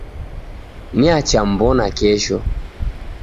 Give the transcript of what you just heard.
Niacha mw'ona kesho